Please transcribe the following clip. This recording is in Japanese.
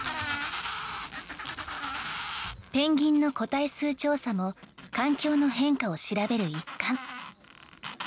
ペンギンの個体数調査も環境の変化を調べる一環。